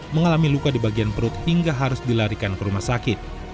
mengalami luka di bagian perut hingga harus dilarikan ke rumah sakit